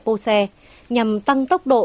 pô xe nhằm tăng tốc độ